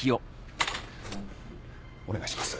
お願いします。